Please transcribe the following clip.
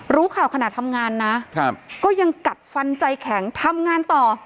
รู้ข่าวขณะทำงานนะก็ยังกัดฟันใจแข็งทำงานต่อ